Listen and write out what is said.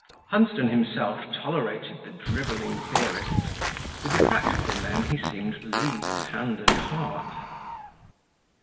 Hunsden himself tolerated the drivelling theorists; with the practical men he seemed leagued hand and heart.